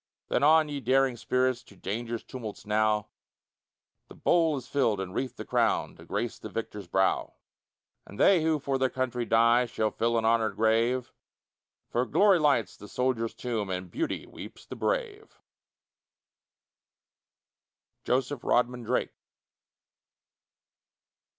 Then on, ye daring spirits, To danger's tumults now, The bowl is filled and wreathed the crown, To grace the victor's brow; And they who for their country die, Shall fill an honored grave; For glory lights the soldier's tomb, And beauty weeps the brave. JOSEPH RODMAN DRAKE.